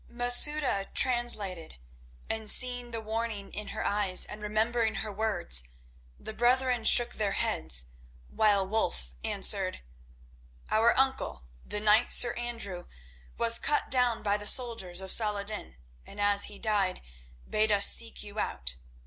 Masouda translated, and seeing the warning in her eyes and remembering her words, the brethren shook their heads, while Wulf answered: "Our uncle, the knight Sir Andrew, was cut down by the soldiers of Salah ed din, and as he died bade us seek you out.